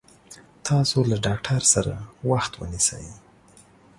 تاسو له ډاکټر سره وخت ونيسي